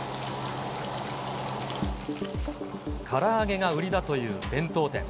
から揚げが売りだという弁当店。